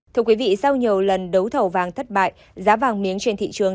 thưa quý vị sau nhiều lần đấu thầu vàng thất bại giá vàng miếng trên thị trường